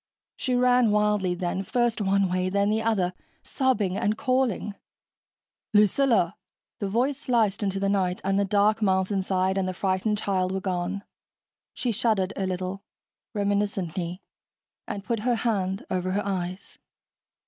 She ran wildly then, first one way, then the other, sobbing and calling. "Lucilla!" The voice sliced into the night, and the dark mountainside and the frightened child were gone. She shuddered a little, reminiscently, and put her hand over her eyes.